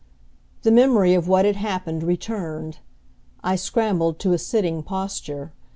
The memory of what had happened returned. I scrambled to a sitting posture.